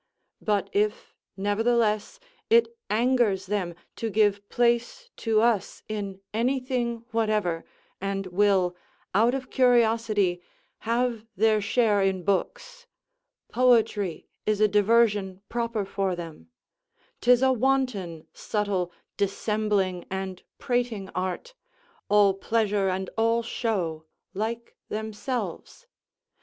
But if, nevertheless, it angers them to give place to us in anything whatever, and will, out of curiosity, have their share in books, poetry is a diversion proper for them; 'tis a wanton, subtle, dissembling, and prating art, all pleasure and all show, like themselves.